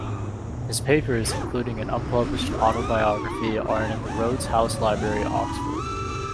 His papers, including an unpublished autobiography, are in the Rhodes House Library, Oxford.